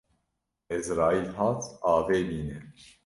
Ezraîl hat avê bîne